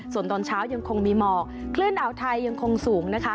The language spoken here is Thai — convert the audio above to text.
ส่วนตอนเช้ายังคงมีหมอกคลื่นอ่าวไทยยังคงสูงนะคะ